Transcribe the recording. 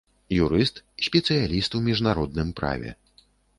Юрыст, спецыяліст у міжнародным праве.